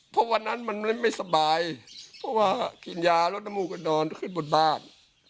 เพราะวันนั้นมันไม่สบายเพราะว่ากินยาลดน้ำมูกก็นอนขึ้นบนบ้าน